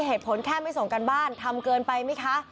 เหตุผลแค่ไม่ส่งการบ้านทำเกินไปไหมคะ